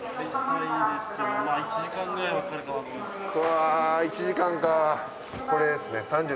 うわぁ１時間かこれですね。